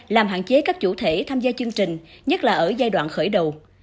làm hạn chế các chủ thể tham gia chương trình nhất là ở giai đoạn khởi đầu